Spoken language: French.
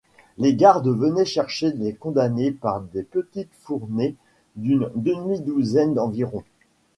Les gardes venaient chercher les condamnés par des petites fournées d'une demi-douzaine environ.